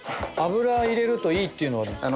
油入れるといいっていうのは。